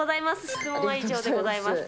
質問は以上でございます。